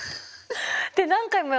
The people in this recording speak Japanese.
で何回も。